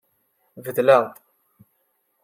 Beddleɣ-d.